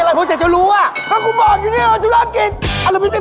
มาทำชั่วโร่กรีดอยากรู้ไป